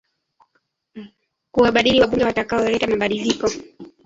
kuwabadili wabunge watakaoleta mabadiliko